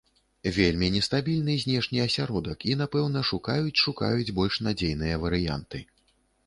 Вельмі нестабільны знешні асяродак, і, напэўна, шукаюць-шукаюць больш надзейныя варыянты.